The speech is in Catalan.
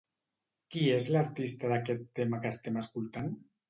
Qui és l'artista d'aquest tema que estem escoltant?